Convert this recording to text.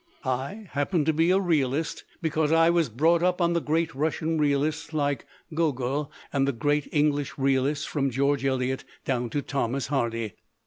I happen to be a realist because I was brought up on the great Russian realists like Gogol and the great English realists from George Eliot down to Thomas Hardy.